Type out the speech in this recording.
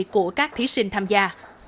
của các thí sinh tham gia